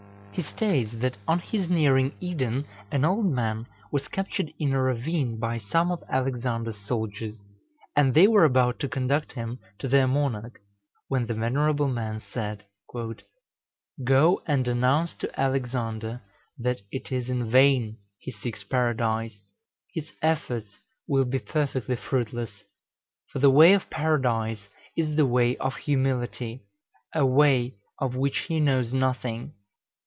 He states that on his nearing Eden an old man was captured in a ravine by some of Alexander's soldiers, and they were about to conduct him to their monarch, when the venerable man said, "Go and announce to Alexander that it is in vain he seeks Paradise; his efforts will be perfectly fruitless; for the way of Paradise is the way of humility, a way of which he knows nothing.